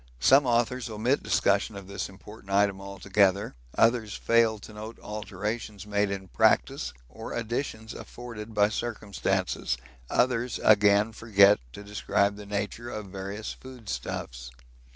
Some authors omit discussion of this important item altogether, others fail to note alterations made in practice or additions afforded by circumstances, others again forget to describe the nature of various food stuffs.